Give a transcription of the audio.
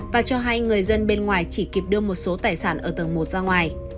và cho hay người dân bên ngoài chỉ kịp đưa một số tài sản ở tầng một ra ngoài